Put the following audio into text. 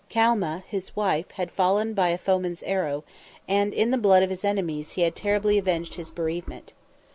Calma, his wife, had fallen by a foeman's arrow, and in the blood of his enemies he had terribly avenged his bereavement.